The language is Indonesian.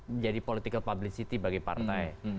menjadi political publicity bagi partai